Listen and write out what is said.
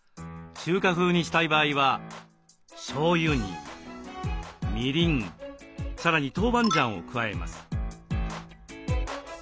中華風にしたい場合はしょうゆにみりんさらに豆板醤を加えます。